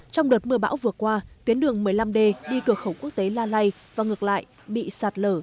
trong đợt mưa bão vừa qua tiến đường một mươi năm d đi cửa khẩu quốc tế lalay và ngược lại bị sạt lở